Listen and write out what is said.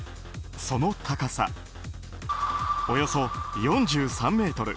その高さ、およそ４３ｍ。